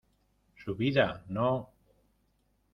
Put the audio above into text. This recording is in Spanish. ¡ su vida, no!